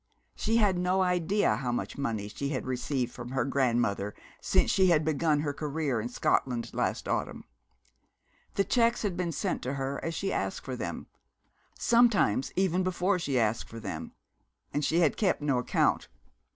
She had no idea how much money she had received from her grandmother since she had begun her career in Scotland last autumn. The cheques had been sent her as she asked for them; sometimes even before she asked for them; and she had kept no account.